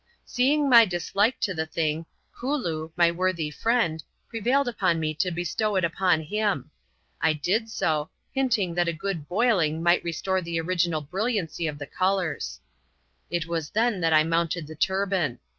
Seeing my dislike to the thing, Kooloo, my worthy friend, prevailed upon me to bestow it upon him. I did so ; hinting that a good boiling might restore the original brilliancy of the colours. It was then that I mounted the turban.